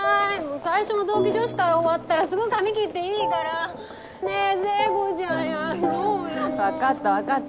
最初の同期女子会終わったらすぐ髪切っねぇ聖子ちゃんやろうよ分かった分かった